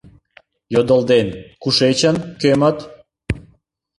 Йодылден: кушечын, кӧмыт?